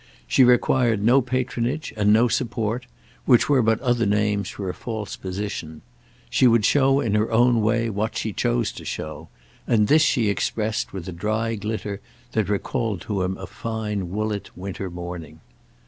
She required no patronage and no support, which were but other names for a false position; she would show in her own way what she chose to show, and this she expressed with a dry glitter that recalled to him a fine Woollett winter morning.